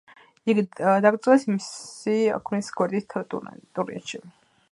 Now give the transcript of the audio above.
იგი დაკრძალეს მისი ქმრის გვერდით ტურინში.